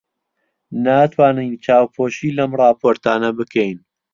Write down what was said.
ناتوانین چاوپۆشی لەم ڕاپۆرتانە بکەین.